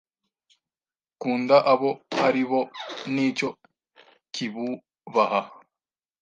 Kunda abo ari bo n'icyo kibubaha